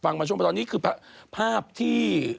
บางช่วงไปตอนนี้คือภาพที่